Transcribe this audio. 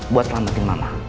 buat selamatin mama